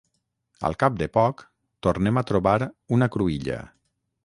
al cap de poc tornem a trobar una cruïlla